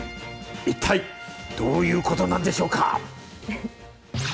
一体どういうことなんでしょうか。